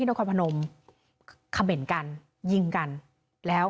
อุ้ยระเบิดรู้ป่าว